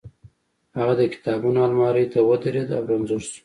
هغه د کتابونو المارۍ ته ودرېد او رنځور شو